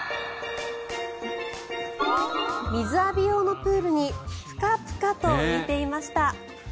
水浴び用のプールにプカプカと浮いていました。